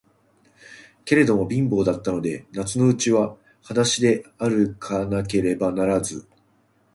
けれども、貧乏だったので、夏のうちははだしであるかなければならず、